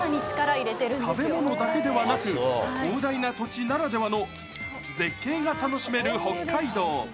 食べ物だけではなく、広大な土地ならではの絶景が楽しめる北海道。